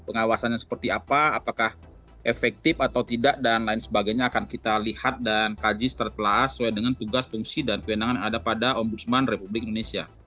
pengawasannya seperti apa apakah efektif atau tidak dan lain sebagainya akan kita lihat dan kaji setelah telah sesuai dengan tugas fungsi dan kewenangan yang ada pada ombudsman republik indonesia